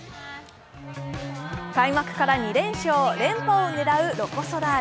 開幕から２連勝、連覇を狙うロコ・ソラーレ。